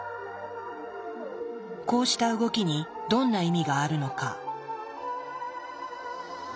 こうした動きにどんな意味があるのか。